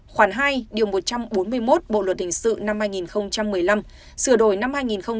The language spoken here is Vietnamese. khoảng hai điều một trăm bốn mươi một bộ luật hình sự năm hai nghìn một mươi năm sửa đổi năm hai nghìn một mươi bảy